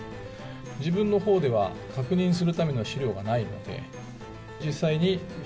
自分のほうでは確認するための資料がないので。